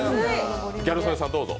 ギャル曽根さん、どうぞ。